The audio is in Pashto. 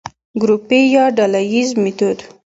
ګروپي يا ډلييز ميتود: